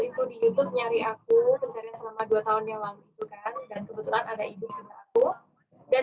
dan dari situ ibu ngejelasin memang aku bukan anaknya ibu